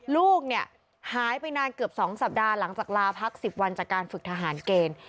ลูกเนี่ยหายไปนานเกือบ๒สัปดาห์หลังจากลาพัก๑๐วันจากการฝึกทหารเกณฑ์